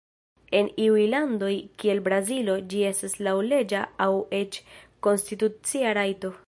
En iuj landoj, kiel Brazilo, ĝi estas laŭleĝa aŭ eĉ konstitucia rajto.